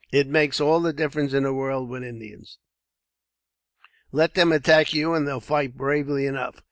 It makes all the difference in the world, with Indians. Let them attack you, and they'll fight bravely enough.